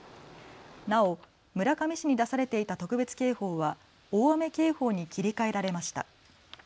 なお村上市に出されていた特別警報は大雨警報に切り替えられました。